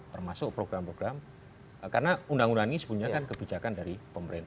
termasuk program program karena undang undang ini sebenarnya kan kebijakan dari pemerintah